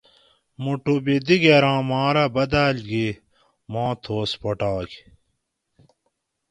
موٹو بی دِگیراں مارہ بدال گی مو تھوس پھوٹائے